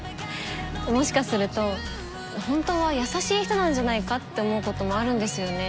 もしかすると本当は優しい人なんじゃないかって思うこともあるんですよね。